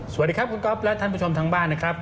สวัสดีครับคุณก๊อฟและท่านผู้ชมทางบ้านนะครับ